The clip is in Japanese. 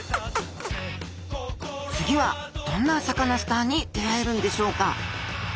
次はどんなサカナスターに出会えるんでしょうか？